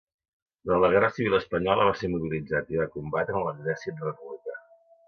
Durant la guerra civil espanyola va ser mobilitzat i va combatre en l'exèrcit republicà.